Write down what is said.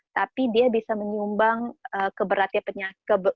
tapi dia bisa menyumbang keberatnya penyakit